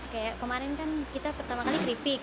kayak kemarin kan kita pertama kali keripik